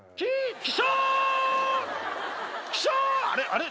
あれ？